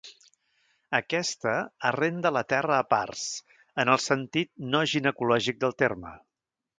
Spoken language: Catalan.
Aquesta arrenda la terra a parts, en el sentit no ginecològic del terme.